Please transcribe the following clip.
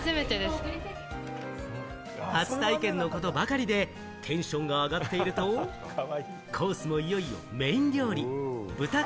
初体験のことばかりでテンションが上がっていると、コースもいよいよメイン料理。